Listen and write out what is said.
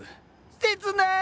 切ない！